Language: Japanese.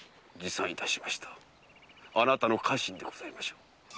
あなたの家臣でございましょう。